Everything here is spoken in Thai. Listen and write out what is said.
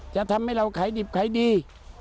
จะทำให้เราขายดิบขายดี